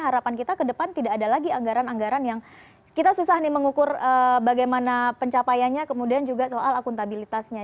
harapan kita ke depan tidak ada lagi anggaran anggaran yang kita susah nih mengukur bagaimana pencapaiannya kemudian juga soal akuntabilitasnya